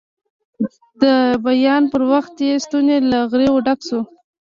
د بیان پر وخت یې ستونی له غریو ډک شو.